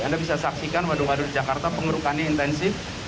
anda bisa saksikan waduk waduk jakarta pengerukannya intensif